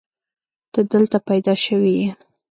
ته دلته پيدا شوې يې.